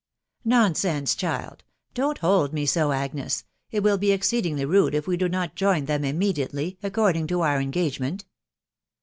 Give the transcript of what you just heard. " Nonsense, child !.... Don't hold me so, Agnes ; it will be exceedingly rude if we do not join them immediately, ac cording to our engagement."